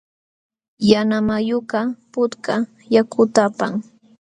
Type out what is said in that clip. Yanamayukaq putka yakuta apan.